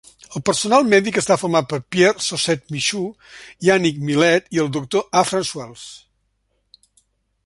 El personal mèdic està format per Pierre-Saucet Michou, Yannick Millet i el doctor A. Francois.